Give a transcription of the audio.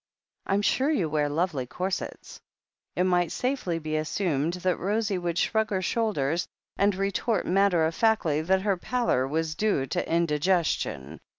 I'm sure you wear lovely corsets," it might safely be assumed that Rosie would shrug her shoulders, and retort matter of factly that her pallor was due to indigestion.